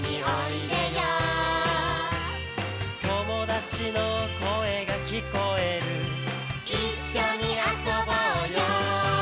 「友達の声が聞こえる」「一緒に遊ぼうよ」